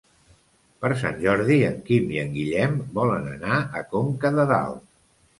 Per Sant Jordi en Quim i en Guillem volen anar a Conca de Dalt.